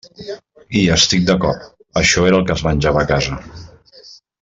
Hi estic d'acord: això era el que es menjava a casa.